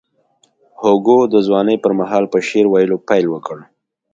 هوګو د ځوانۍ پر مهال په شعر ویلو پیل وکړ.